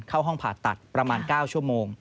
เข้าห้องผ่าตัดประมาณ๙ชั่วโมง